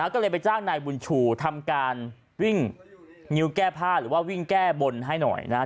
ก็เลยไปจ้างนายบุญชูทำการวิ่งงิ้วแก้ผ้าหรือว่าวิ่งแก้บนให้หน่อยนะครับ